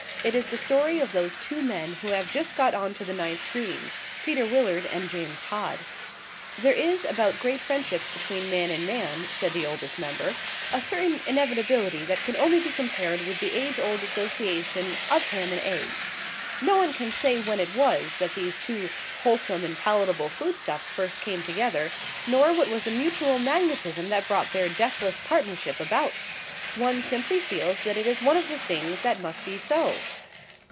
It is the story of those two men who have just got on to the ninth green Peter Willard and James Todd. There is about great friendships between man and man (said the Oldest Member) a certain inevitability that can only be compared with the age old association of ham and eggs. No one can say when it was that these two wholesome and palatable food stuffs first came together, nor what was the mutual magnetism that brought their deathless partnership about. One simply feels that it is one of the things that must be so.